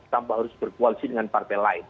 tanpa harus berkoalisi dengan partai lain